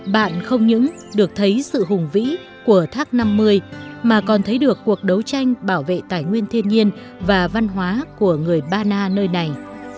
bạn không những được thấy sự hùng vĩ của thác năm mươi mà còn thấy được cuộc đấu tranh bảo vệ tài nguyên thiên nhiên và văn hóa của người ba na nơi này